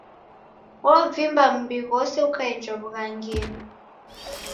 Wovimba mbi ghose ukaenjwa w'ughangenyi.